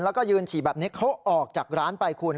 แล้วก็ยืนฉี่แบบนี้เขาออกจากร้านไปคุณ